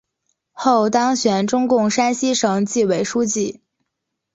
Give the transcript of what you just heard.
后当选中共山西省纪委书记。